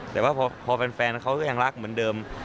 แต่ว่าพอเป็นแฟนเขาก็ยังรักเหมือนเดิม